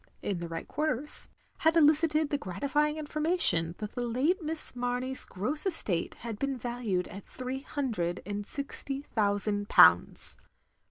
in the right quarters, had elicited the gratifying information that the late Miss Mamey's gross estate had been valued at three hundred and sixty thotisand pounds.